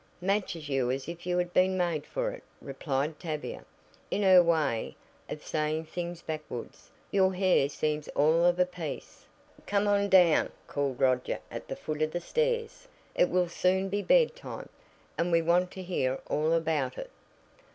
"Matches you as if you had been made for it," replied Tavia, in her way of saying things backwards. "Your hair seems all of a piece." "Come on down," called Roger at the foot of the stairs, "It will soon be bedtime, and we want to hear all about it."